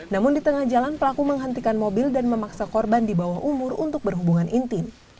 namun di tengah jalan pelaku menghentikan mobil dan memaksa korban di bawah umur untuk berhubungan intim